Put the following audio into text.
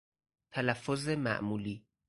تلفظ معمولی